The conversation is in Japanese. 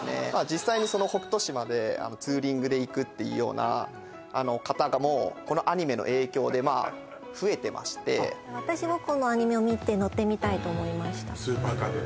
実際にその北杜市までツーリングで行くっていうような方がもうこのアニメの影響でまあ増えてまして私もこのアニメを見て乗ってみたいと思いましたスーパーカブ？